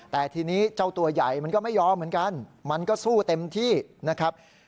แต่ทีนี้เจ้าตัวใหญ่มันก็ไม่ยอมเหมือนกันมันก็สู้เต็มที่นะครับ